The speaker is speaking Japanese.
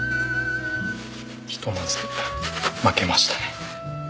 ひとまず巻けましたね。